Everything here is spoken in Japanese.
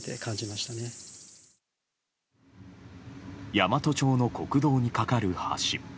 山都町の国道に架かる橋。